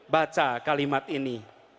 baca kalimat ini